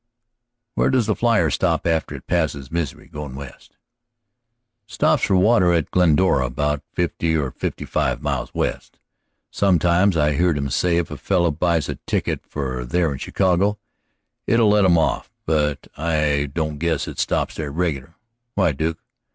"Where does the flier stop after it passes Misery, going west?" "It stops for water at Glendora, about fifty or fifty five miles west, sometimes. I've heard 'em say if a feller buys a ticket for there in Chicago, it'll let him off. But I don't guess it stops there regular. Why, Duke?